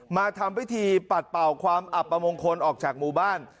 มาทำพิธีปัดเป่าความอับประมงคลออกจากหมู่บ้าน